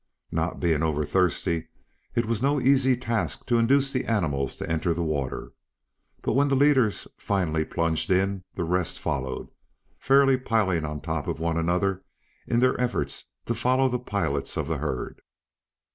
Not being over thirsty, it was no easy task to induce the animals to enter the water, but when the leaders finally plunged in the rest followed, fairly piling on top of one another in their efforts to follow the pilots of the herd.